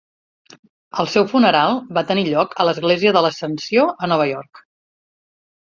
El seu funeral va tenir lloc a l'església de l'Ascensió a Nova York.